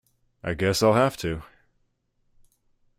I guess I’ll have to.